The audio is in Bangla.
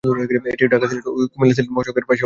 এটি ঢাকা-সিলেট ও কুমিল্লা সিলেট মহাসড়কের পাশে অবস্থিত।